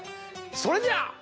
それじゃあ。